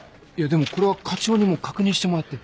でもこれは課長にも確認してもらって。